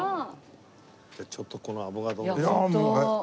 じゃあちょっとこのアボカド。